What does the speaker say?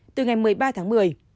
từ ngày một mươi ba tháng một mươi